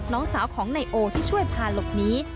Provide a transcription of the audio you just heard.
น้องสาวของนายโอที่ช่วยพาหลบหนี